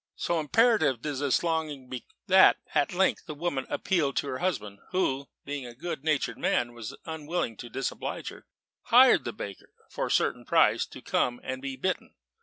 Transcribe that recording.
So imperative did this longing become, that at length the woman appealed to her husband, who (being a good natured man, and unwilling to disoblige her) hired the baker, for a certain price, to come and be bitten.